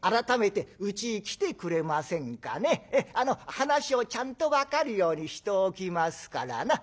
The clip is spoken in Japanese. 話をちゃんと分かるようにしておきますからな」。